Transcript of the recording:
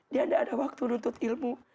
dia tidak ada waktu nuntut ilmu